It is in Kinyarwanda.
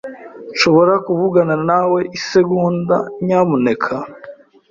Nshobora kuvugana nawe isegonda, nyamuneka?